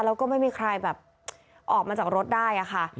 แล้วก็ไม่มีใครแบบออกมาจากรถได้อะค่ะ